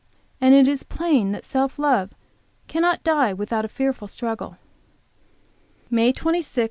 And it is plain that self love cannot die without a fearful struggle. MAY 26, 1846.